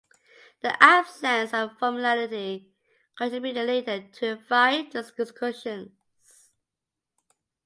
The absence of that formality contributed later to revive the discussions.